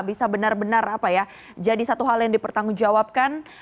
bisa benar benar jadi satu hal yang dipertanggungjawabkan